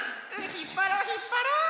ひっぱろうひっぱろう！